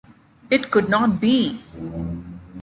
It could not be!